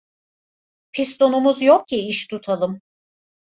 Pistonumuz yok ki, iş tutalım.